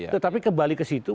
tetapi kembali ke situ